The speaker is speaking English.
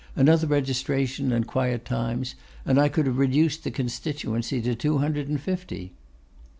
'Another registration and quiet times, and I could have reduced the constituency to two hundred and fifty.